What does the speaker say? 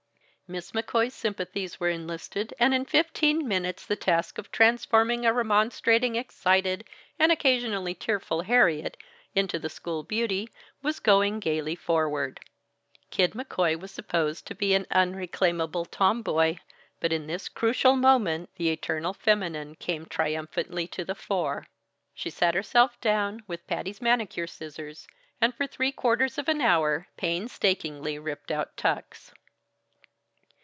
Miss McCoy's sympathies were enlisted and in fifteen minutes the task of transforming a remonstrating, excited, and occasionally tearful Harriet into the school beauty, was going gaily forward. Kid McCoy was supposed to be an irreclaimable tomboy, but in this crucial moment the eternal feminine came triumphantly to the fore. She sat herself down, with Patty's manicure scissors, and for three quarters of an hour painstakingly ripped out tucks.